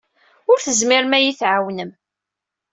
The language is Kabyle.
Ur tezmirem ad iyi-tɛawnem.